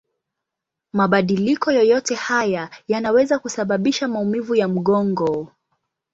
Mabadiliko yoyote haya yanaweza kusababisha maumivu ya mgongo.